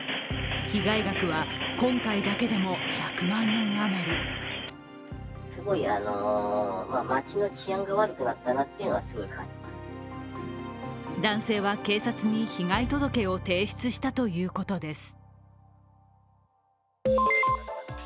被害額は今回だけでも１００万円余り男性は警察に被害届を提出したということです。